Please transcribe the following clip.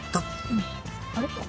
うん。あれ？